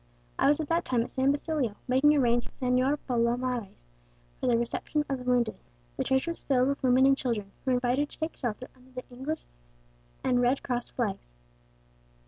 I was at that time at San Basilio, making arrangements with Señor Palomares for the reception of the wounded. The church was filled with women and children, who were invited to take shelter under the English and Red Cross flags.